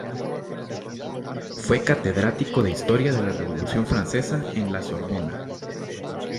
Fue catedrático de Historia de la Revolución Francesa en la Sorbona.